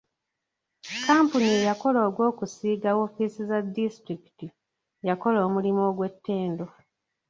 Kkampuni eyakola ogw'okusiiga woofiisi za disitulikiti yakola omulimu ogw'ettendo.